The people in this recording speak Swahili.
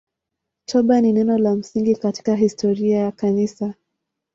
Toba ni neno la msingi katika historia ya Kanisa.